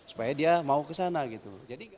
supaya dia mau kesana gitu